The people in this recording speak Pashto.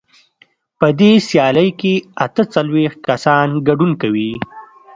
په دې سیالۍ کې اته څلوېښت کسان ګډون کوي.